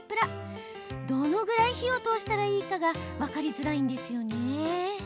どのぐらい火を通したらいいかが分かりづらいんですよね。